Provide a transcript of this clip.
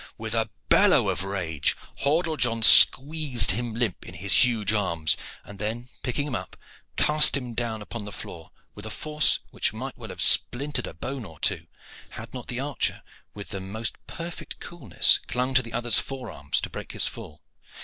With a bellow of rage, Hordle John squeezed him limp in his huge arms; and then, picking him up, cast him down upon the floor with a force which might well have splintered a bone or two, had not the archer with the most perfect coolness clung to the other's forearms to break his fall.